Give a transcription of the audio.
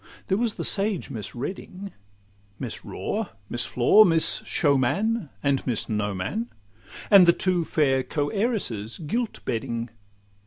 There was the sage Miss Reading, Miss Raw, Miss Flaw, Miss Showman, and Miss Knowman. And the two fair co heiresses Giltbedding.